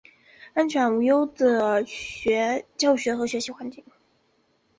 安全无虞的教学和学习环境